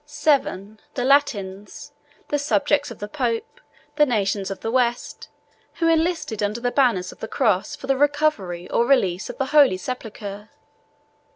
VII. The Latins; the subjects of the pope, the nations of the West, who enlisted under the banner of the cross for the recovery or relief of the holy sepulchre.